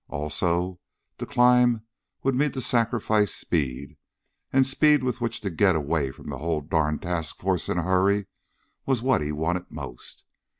Also, to climb would mean to sacrifice speed, and speed with which to get away from the whole darn task force in a hurry was what he wanted most.